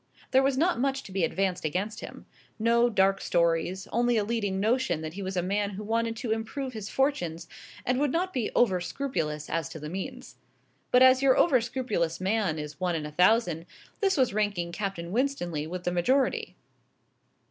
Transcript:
There was not much to be advanced against him. No dark stories; only a leading notion that he was a man who wanted to improve his fortunes, and would not be over scrupulous as to the means. But as your over scrupulous man is one in a thousand, this was ranking Captain Winstanley with the majority.